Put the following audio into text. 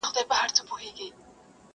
توبه ګاره له توبې یم، پر مغان غزل لیکمه!.